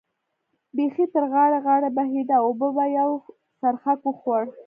بېخي تر غاړې غاړې بهېده، اوبو به یو څرخک وخوړ.